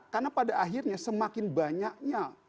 karena pada akhirnya semakin banyaknya